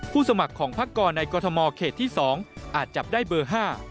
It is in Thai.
สมัครของพักกรในกรทมเขตที่๒อาจจับได้เบอร์๕